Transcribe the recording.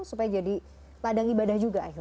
supaya jadi ladang ibadah juga akhirnya